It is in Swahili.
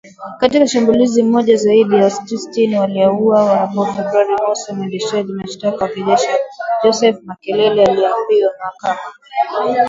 "Katika shambulizi moja, zaidi ya watu sitini waliuawa hapo Februari mosi" mwendesha mashtaka wa kijeshi Joseph Makelele aliiambia mahakama